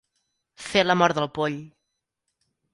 Fer la mort del poll.